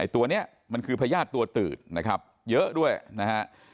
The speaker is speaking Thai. ตัวนี้มันคือพญาติตัวตืดนะครับเยอะด้วยนะฮะ